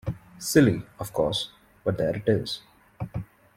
Silly, of course, but there it is.